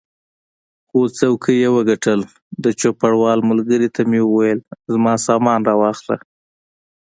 خو څوکۍ یې وګټل، د چوپړوال ملګري ته مې وویل زما سامان را واخله.